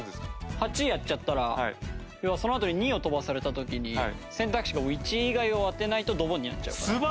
８やっちゃったら要はそのあとに２を飛ばされた時に選択肢が１以外を当てないとドボンになっちゃうから。